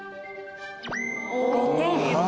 ５点。